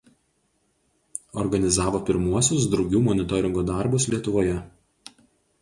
Organizavo pirmuosius drugių monitoringo darbus Lietuvoje.